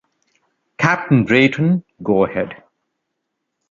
Captain Drayton go ahead!